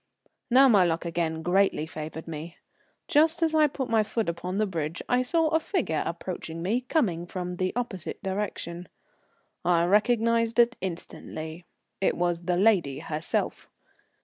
Now my luck again greatly favoured me. Just as I put my foot upon the bridge I saw a figure approaching me, coming from the opposite direction. I recognized it instantly. It was the lady herself.